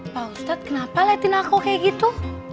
pak ustadz kenapa liatin aku kayak gitu